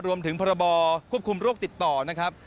พรบควบคุมโรคติดต่อนะครับ